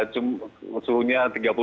cuma suhunya tiga puluh delapan